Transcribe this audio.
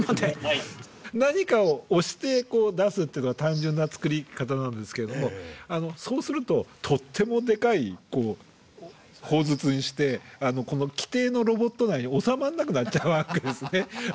何かを押してこう出すっていうのは単純な作り方なんですけれどもそうするととってもデカい砲筒にしてこの規定のロボット内に収まんなくなっちゃうわけですね。